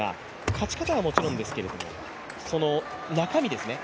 勝ち方はもちろんですけれども中身ですよね。